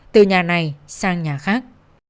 từ nhà này sang nhà khác